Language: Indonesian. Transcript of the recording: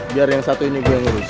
biar yang satu ini biar ngurus